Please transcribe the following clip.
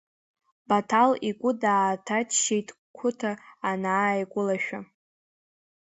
Баҭал игәы дааҭаччеит Қәыҭа анааигәалашәа.